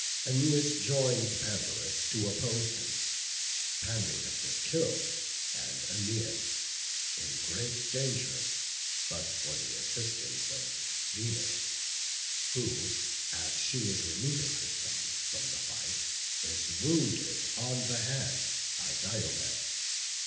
Æneas joins Pandarus to oppose him, Pandarus is killed, and Æneas in great danger but for the assistance of Venus; who, as she is removing her son from the fight, is wounded on the hand by Diomed.